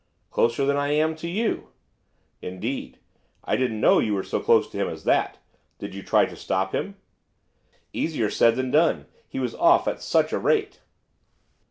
'Closer than I am to you.' 'Indeed. I didn't know you were so close to him as that. Did you try to stop him?' 'Easier said than done, he was off at such a rate.